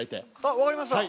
分かりました！